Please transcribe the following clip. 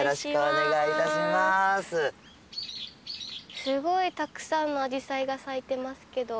すごいたくさんのアジサイが咲いてますけど。